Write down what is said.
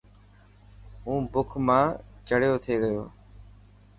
هون بک مان چڙيو ٿي گيو.